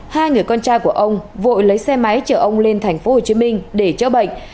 hai người con trai của ông vội lấy xe máy chở ông lên tp hcm để chữa bệnh